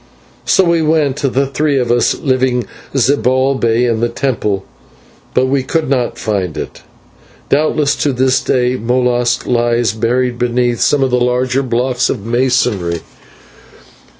So we went, the three of us, leaving Zibalbay in the temple, but we could not find it; doubtless to this day Molas lies buried beneath some of the larger blocks of masonry.